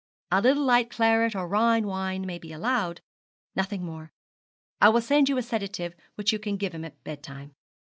A little light claret or Rhine wine may be allowed; nothing more. I will send you a sedative which you can give him at bedtime.'